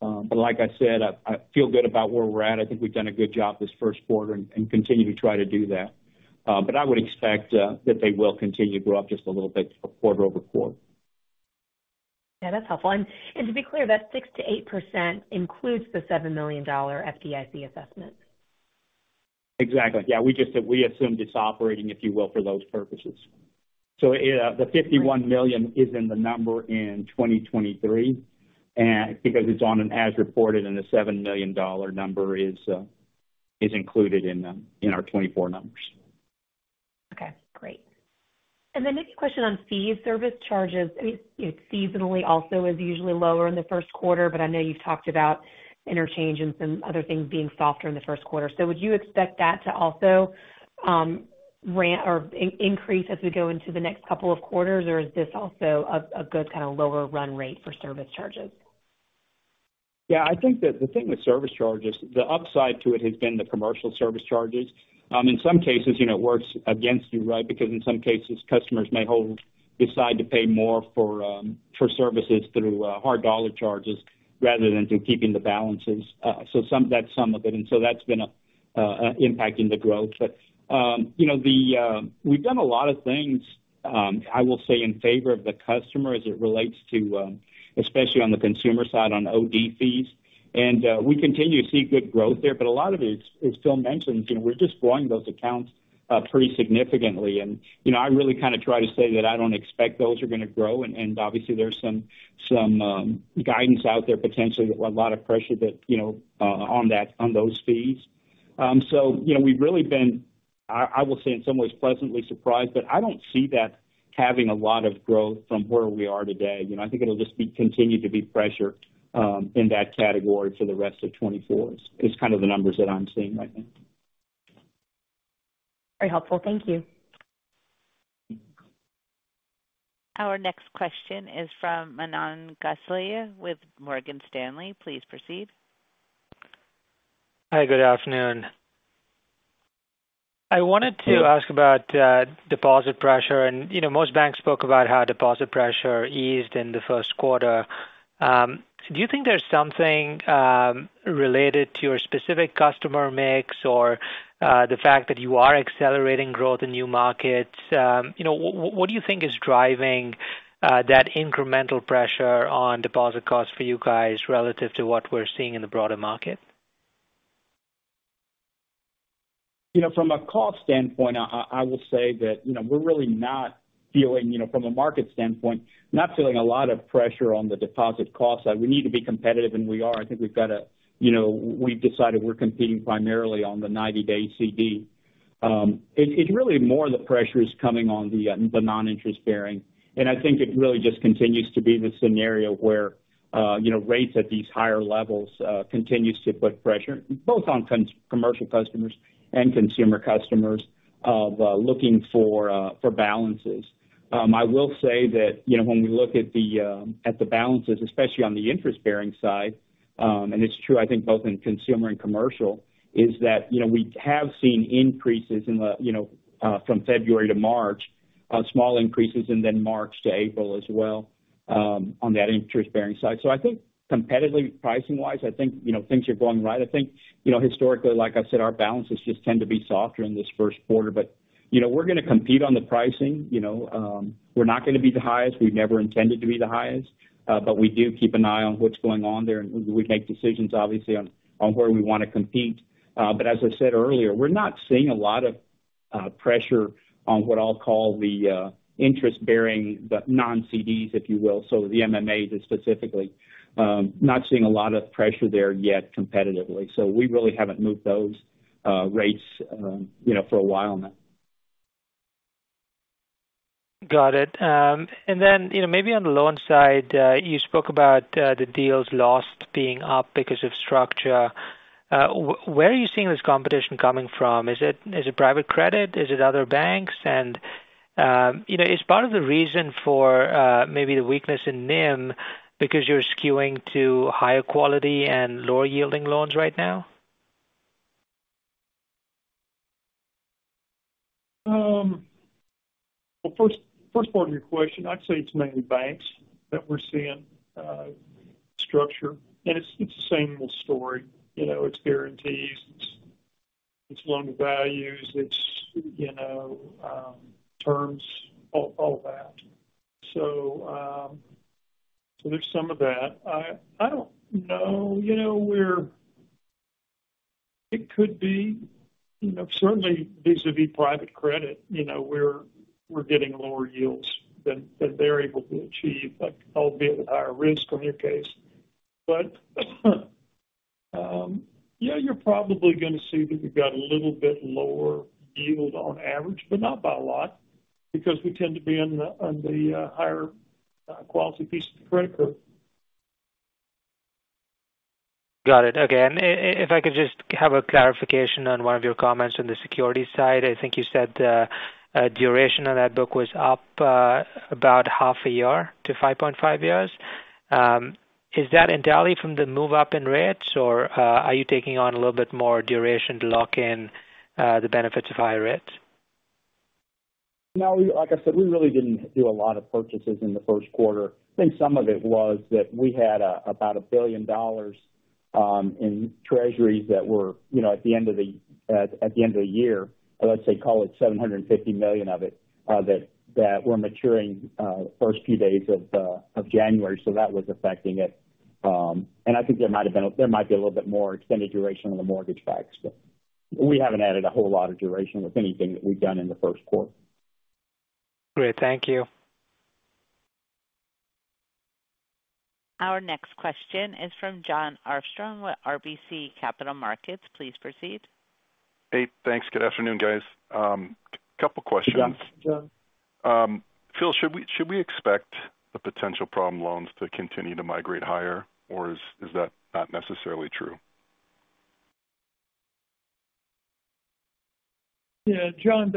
But like I said, I feel good about where we're at. I think we've done a good job this first quarter and continue to try to do that. But I would expect that they will continue to grow up just a little bit quarter-over-quarter. Yeah, that's helpful. And, and to be clear, that 6%-8% includes the $7 million FDIC assessment? Exactly. Yeah, we just, we assumed it's operating, if you will, for those purposes. So, yeah, the $51 million is in the number in 2023, and because it's on an as reported, and the $7 million number is included in the, in our 2024 numbers. Okay, great. And then next question on fees, service charges. It seasonally also is usually lower in the first quarter, but I know you've talked about interchange and some other things being softer in the first quarter. So would you expect that to also run or increase as we go into the next couple of quarters? Or is this also a good kind of lower run rate for service charges? Yeah, I think that the thing with service charges, the upside to it has been the commercial service charges. In some cases, you know, it works against you, right? Because in some cases, customers may decide to pay more for services through hard dollar charges rather than through keeping the balances. So that's some of it, and so that's been an impact in the growth. But you know, we've done a lot of things, I will say, in favor of the customer as it relates to, especially on the consumer side, on OD fees. And we continue to see good growth there, but a lot of it, as Phil mentioned, you know, we're just growing those accounts pretty significantly. You know, I really kind of try to say that I don't expect those are going to grow. And obviously, there's some guidance out there, potentially a lot of pressure that, you know, on that- on those fees. So, you know, we've really been, I will say, in some ways pleasantly surprised, but I don't see that having a lot of growth from where we are today. You know, I think it'll just be continued to be pressure in that category for the rest of 2024. It's kind of the numbers that I'm seeing right now. Very helpful. Thank you. Our next question is from Manan Gosalia with Morgan Stanley. Please proceed. Hi, good afternoon. I wanted to ask about deposit pressure. You know, most banks spoke about how deposit pressure eased in the first quarter. Do you think there's something related to your specific customer mix or the fact that you are accelerating growth in new markets? You know, what do you think is driving that incremental pressure on deposit costs for you guys relative to what we're seeing in the broader market? You know, from a cost standpoint, I will say that, you know, we're really not feeling, you know, from a market standpoint, not feeling a lot of pressure on the deposit cost side. We need to be competitive, and we are. I think we've got to. You know, we've decided we're competing primarily on the 90-day CD. It really more of the pressure is coming on the non-interest bearing. And I think it really just continues to be the scenario where, you know, rates at these higher levels continues to put pressure both on commercial customers and consumer customers looking for balances. I will say that, you know, when we look at the balances, especially on the interest-bearing side, and it's true, I think, both in consumer and commercial, is that, you know, we have seen increases in the, you know, from February to March, small increases, and then March to April as well, on that interest-bearing side. So I think competitively, pricing-wise, I think, you know, things are going right. I think, you know, historically, like I said, our balances just tend to be softer in this first quarter. But, you know, we're going to compete on the pricing. You know, we're not going to be the highest. We've never intended to be the highest, but we do keep an eye on what's going on there, and we make decisions, obviously, on where we want to compete. But as I said earlier, we're not seeing a lot of pressure on what I'll call the interest-bearing, the non-CDs, if you will. So the MMAs specifically, not seeing a lot of pressure there yet competitively. So we really haven't moved those rates, you know, for a while now. Got it. And then, you know, maybe on the loan side, you spoke about, the deals lost being up because of structure. Where are you seeing this competition coming from? Is it, is it private credit? Is it other banks? And, you know, is part of the reason for, maybe the weakness in NIM because you're skewing to higher quality and lower yielding loans right now? Well, first part of your question, I'd say it's mainly banks that we're seeing structure, and it's the same old story. You know, it's guarantees, it's, it's loan values, it's, you know, terms, all, all that. So, so there's some of that. I don't know, you know, we're - it could be, you know, certainly vis-à-vis private credit, you know, we're, we're getting lower yields than, than they're able to achieve, but albeit with higher risk on your case. But, yeah, you're probably gonna see that we've got a little bit lower yield on average, but not by a lot, because we tend to be on the, on the higher quality piece of the credit curve. Got it. Okay. And if I could just have a clarification on one of your comments on the security side. I think you said, duration on that book was up, about half a year to 5.5 years. Is that entirely from the move up in rates, or are you taking on a little bit more duration to lock in the benefits of higher rates? No, like I said, we really didn't do a lot of purchases in the first quarter. I think some of it was that we had about $1 billion in Treasuries that were, you know, at the end of the year, let's say, call it $750 million of it that were maturing first few days of January, so that was affecting it. And I think there might have been there might be a little bit more extended duration on the mortgage backs, but we haven't added a whole lot of duration with anything that we've done in the first quarter. Great. Thank you. Our next question is from Jon Arfstrom with RBC Capital Markets. Please proceed. Hey, thanks. Good afternoon, guys. Couple questions. Jon. Jon. Phil, should we expect the potential problem loans to continue to migrate higher, or is that not necessarily true? Yeah, Jon,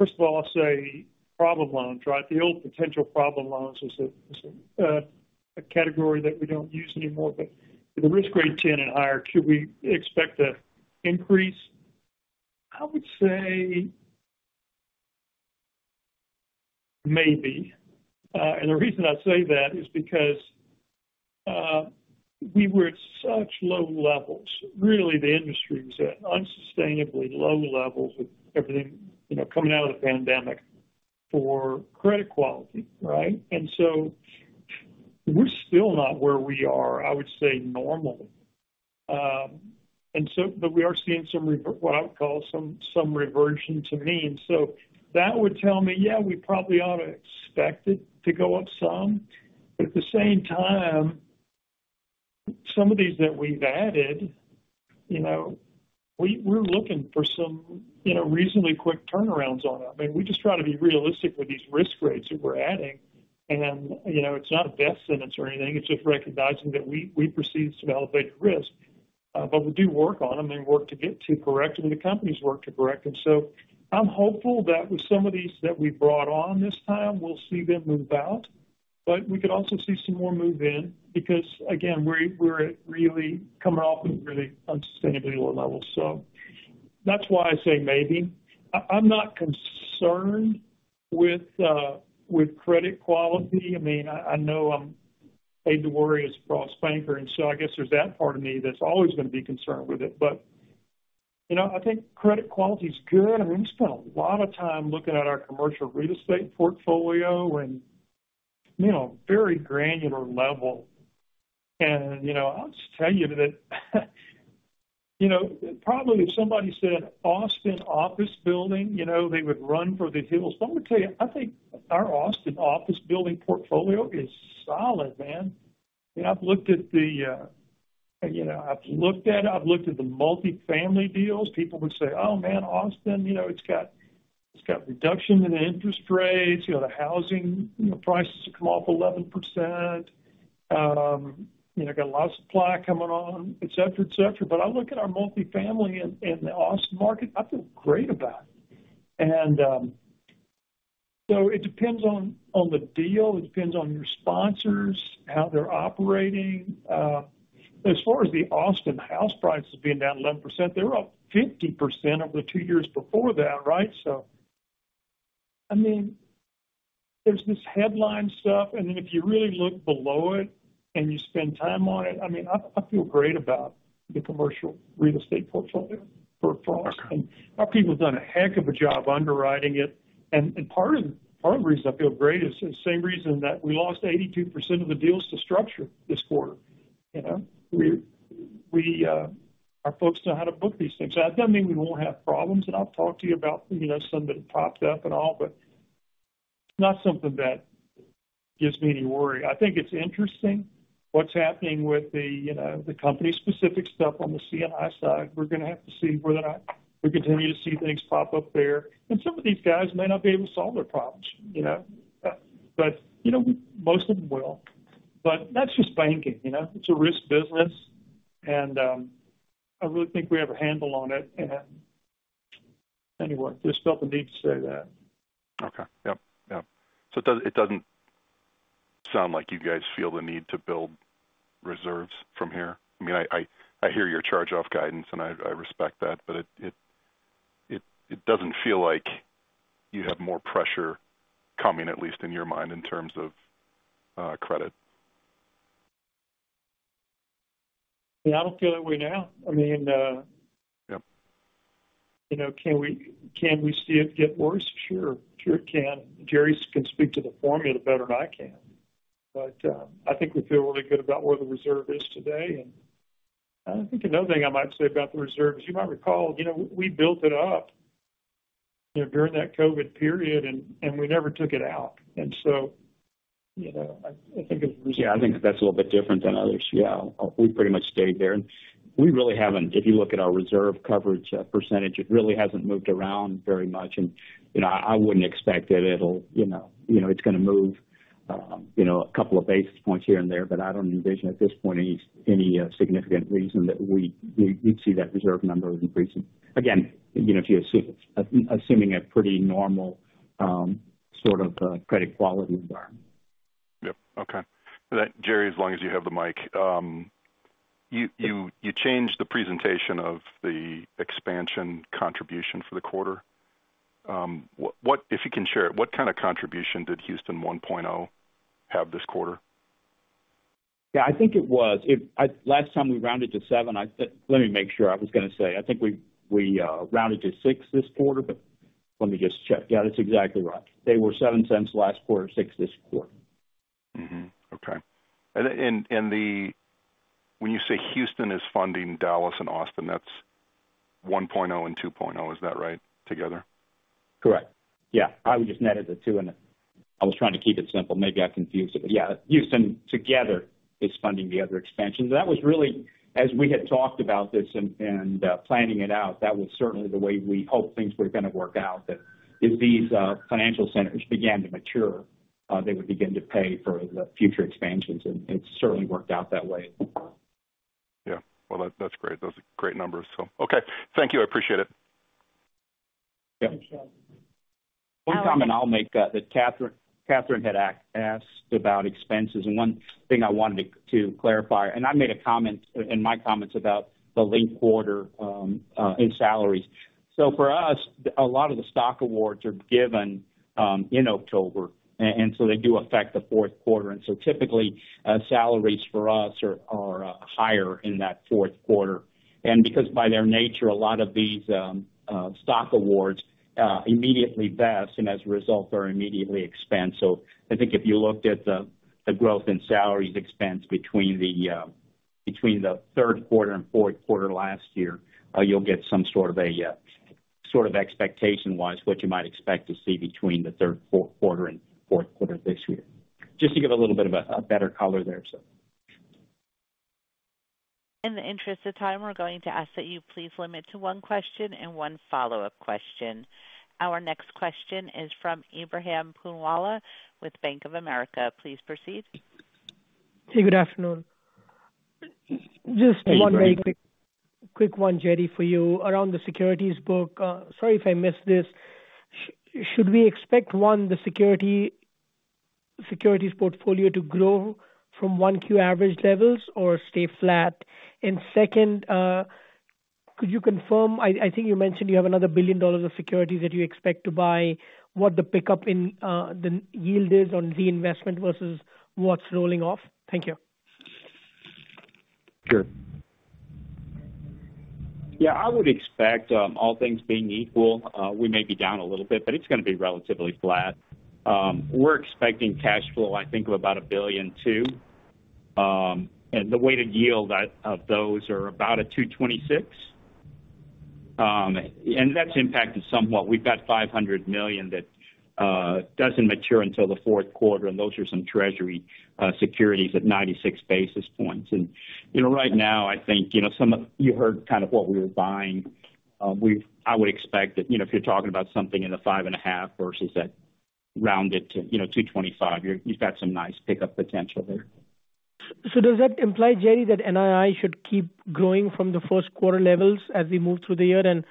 First of all, I'll say problem loans, right? The old potential problem loans is a category that we don't use anymore, but the Risk Grade 10 and higher, should we expect an increase? I would say, maybe. And the reason I say that is because, we were at such low levels. Really, the industry was at unsustainably low levels with everything, you know, coming out of the pandemic for credit quality, right? And so we're still not where we are, I would say, normal. And so, but we are seeing some, what I would call some reversion to mean. So that would tell me, yeah, we probably ought to expect it to go up some. But at the same time, some of these that we've added, you know, we're looking for some, you know, reasonably quick turnarounds on them. I mean, we just try to be realistic with these risk rates that we're adding. And, you know, it's not a death sentence or anything, it's just recognizing that we proceed to elevate risk, but we do work on them and work to get to correct them, and the companies work to correct them. So I'm hopeful that with some of these that we brought on this time, we'll see them move out, but we could also see some more move in, because, again, we're really coming off of really unsustainably low levels. So that's why I say maybe. I'm not concerned with credit quality. I mean, I know I'm paid to worry as a CFO, and so I guess there's that part of me that's always going to be concerned with it. But, you know, I think credit quality is good. I mean, we spent a lot of time looking at our commercial real estate portfolio and, you know, very granular level. And, you know, I'll just tell you that, you know, probably if somebody said Austin office building, you know, they would run for the hills. But I would tell you, I think our Austin office building portfolio is solid, man. I've looked at the, you know, I've looked at the multifamily deals. People would say, "Oh, man, Austin, you know, it's got, it's got reduction in the interest rates. You know, the housing, you know, prices have come off 11%. You know, got a lot of supply coming on," etc., etc. But I look at our multifamily in the Austin market, I feel great about it. And so it depends on the deal, it depends on your sponsors, how they're operating. As far as the Austin house prices being down 11%, they're up 50% over the two years before that, right? So I mean, there's this headline stuff, and then if you really look below it and you spend time on it, I mean, I feel great about the commercial real estate portfolio for Frost. Our people have done a heck of a job underwriting it. And part of the reason I feel great is the same reason that we lost 82% of the deals to structure this quarter. You know, our folks know how to book these things. That doesn't mean we won't have problems, and I'll talk to you about, you know, some that have popped up and all, but not something that gives me any worry. I think it's interesting what's happening with the, you know, the company-specific stuff on the C&I side. We're gonna have to see whether or not we continue to see things pop up there. And some of these guys may not be able to solve their problems, you know? But, you know, we, most of them will. But that's just banking, you know, it's a risk business, and I really think we have a handle on it. And anyway, just felt the need to say that. Okay. Yep. Yep. So it does, it doesn't sound like you guys feel the need to build reserves from here. I mean, I hear your charge-off guidance, and I respect that, but it doesn't feel like you have more pressure coming, at least in your mind, in terms of credit? Yeah, I don't feel that way now. I mean. Yep. You know, can we, can we see it get worse? Sure. Sure, it can. Jerry can speak to the formula better than I can, but I think we feel really good about where the reserve is today. And I think another thing I might say about the reserve is, you might recall, you know, we built it up, you know, during that COVID period, and we never took it out. And so, you know, I, I think it. Yeah, I think that's a little bit different than others. Yeah, we pretty much stayed there, and we really haven't. If you look at our reserve coverage, percentage, it really hasn't moved around very much. And, you know, I wouldn't expect that it'll, you know, you know, it's gonna move, you know, a couple of basis points here and there, but I don't envision at this point, any, significant reason that we, we'd see that reserve number increasing. Again, you know, if you assume a pretty normal sort of credit quality environment. Yep. Okay. Jerry, as long as you have the mic, you changed the presentation of the expansion contribution for the quarter. What if you can share it, what kind of contribution did Houston 1.0 have this quarter? Yeah, I think it was. It last time we rounded to $0.07. I think let me make sure. I was going to say, I think we rounded to $0.06 this quarter, but let me just check. Yeah, that's exactly right. They were $0.07 last quarter, $0.06 this quarter. Mm-hmm. Okay. And when you say Houston is funding Dallas and Austin, that's 1.0 and 2.0, is that right together? Correct. Yeah, I would just netted the two, and I was trying to keep it simple. Maybe I confused it. But yeah, Houston together is funding the other expansions. That was really, as we had talked about this and, and, planning it out, that was certainly the way we hoped things were going to work out, that if these, financial centers began to mature, they would begin to pay for the future expansions. And it certainly worked out that way. Yeah. Well, that, that's great. Those are great numbers. So, okay. Thank you. I appreciate it. Yeah. One comment I'll make that Catherine had asked about expenses, and one thing I wanted to clarify, and I made a comment in my comments about the latter quarter in salaries. So for us, a lot of the stock awards are given in October, and so they do affect the fourth quarter. And so typically, salaries for us are higher in that fourth quarter. And because by their nature, a lot of these stock awards immediately vest and as a result, are immediately expensed. So I think if you looked at the growth in salaries expense between the third quarter and fourth quarter last year, you'll get some sort of a sort of expectation-wise, what you might expect to see between the third, fourth quarter and fourth quarter this year. Just to give a little bit of a better color there, so. In the interest of time, we're going to ask that you please limit to one question and one follow-up question. Our next question is from Ebrahim Poonawala with Bank of America. Please proceed. Hey, good afternoon. Hey, Ebrahim. Just one very quick, quick one, Jerry, for you around the securities book. Sorry if I missed this. Should we expect, one, the securities portfolio to grow from 1Q average levels or stay flat? And second, could you confirm, I think you mentioned you have another $1 billion of securities that you expect to buy, what the pickup in the yield is on reinvestment versus what's rolling off? Thank you. Sure. Yeah, I would expect, all things being equal, we may be down a little bit, but it's going to be relatively flat. We're expecting cash flow, I think, of about $1.2 billion. And the weighted yield at, of those are about 2.26%. And that's impacted somewhat. We've got $500 million that doesn't mature until the fourth quarter, and those are some Treasury securities at 96 basis points. And, you know, right now, I think, you know, some of you heard kind of what we were buying. I would expect that, you know, if you're talking about something in the 5.5 versus that rounded to, you know, 2.25, you've got some nice pickup potential there. So does that imply, Jerry, that NII should keep growing from the first quarter levels as we move through the year, and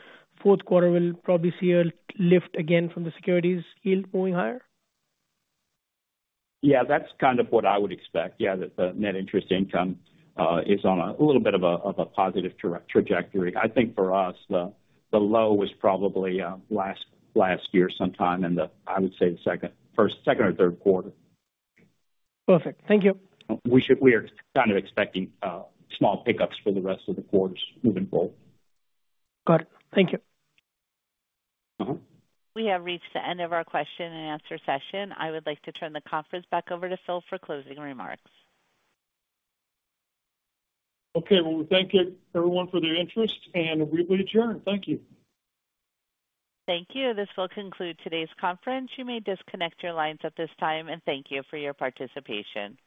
fourth quarter will probably see a lift again from the securities yield going higher? Yeah, that's kind of what I would expect, yeah, that the net interest income is on a little bit of a positive trajectory. I think for us, the low was probably last year sometime in the, I would say, the second, first, second or third quarter. Perfect. Thank you. We are kind of expecting small pickups for the rest of the quarters moving forward. Got it. Thank you. Uh-huh. We have reached the end of our question-and-answer session. I would like to turn the conference back over to Phil for closing remarks. Okay. Well, we thank you, everyone, for their interest, and we will adjourn. Thank you. Thank you. This will conclude today's conference. You may disconnect your lines at this time, and thank you for your participation.